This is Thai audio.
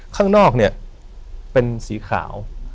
ข้างนอกเนี่ยเป็นสีขาว